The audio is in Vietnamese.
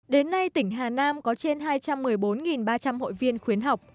đến nay tỉnh hà nam có trên hai trăm một mươi bốn ba trăm linh hội viên khuyến học